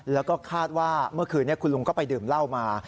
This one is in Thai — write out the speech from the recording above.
แล้วก็คาดว่าเมื่อคืนนี้คุณลุงก็ไปดื่มเหล้ามา